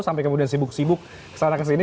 sampai kemudian sibuk sibuk kesana kesini